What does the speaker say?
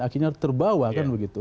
akhirnya terbawa kan begitu